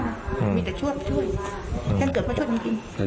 มีแต่ชวนมาช่วยฉันเกิดมาชวนจริง